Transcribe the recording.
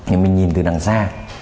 thì mình nhìn từ đằng xa